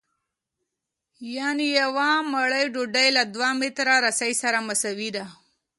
یانې یوه مړۍ ډوډۍ له دوه متره رسۍ سره مساوي ده